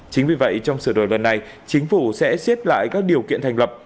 chính vì vậy trong sự đổi luật này chính phủ sẽ xếp lại các điều kiện thành lập